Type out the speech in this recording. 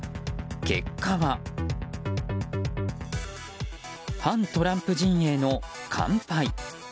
結果は、反トランプ陣営の完敗。